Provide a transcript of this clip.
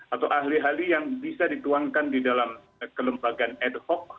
atau ahli ahli yang bisa dituangkan di dalam kelembagaan ad hoc